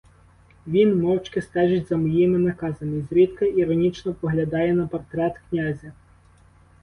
Він мовчки стежить за моїми наказами й зрідка іронічно поглядає на портрет князя.